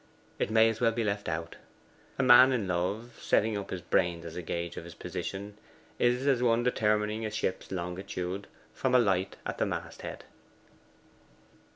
It may as well be left out. A man in love setting up his brains as a gauge of his position is as one determining a ship's longitude from a light at the mast head.